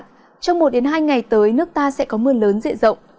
trong một hai ngày tới nước ta sẽ có mưa lớn diện rộng